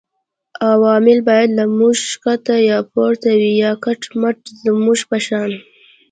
عوامل باید له موږ ښکته یا پورته وي یا کټ مټ زموږ په شان